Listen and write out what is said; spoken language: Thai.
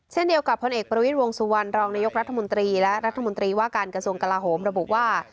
เช่นเดียวกับพลเอกประวิทย์วงสุวรรณรองนายกรัฐมนตรีและรัฐมนตรีว่าการกระทรวงกลาโหมระบุว่า